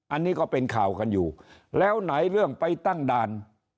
อันนี้ก็เป็นข่าวกันอยู่แล้วไหนเรื่องไปตั้งด่าน